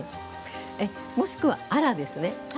もしくは、鯛のあらですね。